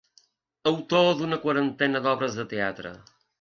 Autor d'una quarantena d'obres de teatre.